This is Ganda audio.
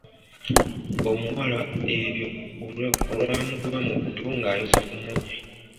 Omuwala ebyo olwamugwa mu kutu ng’ayoza ku mmunye.